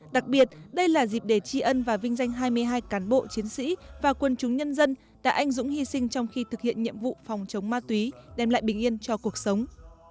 đặc biệt đây là dịp để tri ân và vinh danh hai mươi hai cán bộ chiến sĩ và quân chúng nhân dân đã anh dũng hy sinh trong khi thực hiện nhiệm vụ phòng chống ma túy đem lại bình yên cho cuộc sống